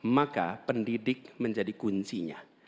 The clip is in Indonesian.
maka pendidik menjadi kuncinya